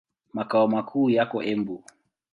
Makao makuu yako Embu.